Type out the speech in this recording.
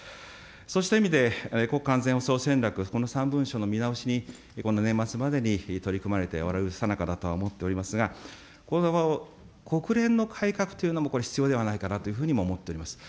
そうした意味で、国家安全保障戦略、この３文書の見直しに、この年末までに取り組まれておられるさなかだと思っておりますが、国連の改革というのもこれ、必要ではないかなというふうに思っております。